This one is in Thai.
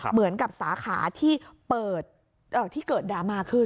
เหมือนกับสาขาที่เกิดดรามาขึ้น